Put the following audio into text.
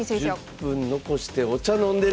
１０分残してお茶飲んでる！